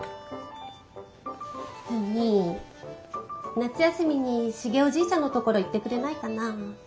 夏休みにシゲおじいちゃんのところ行ってくれないかなあ。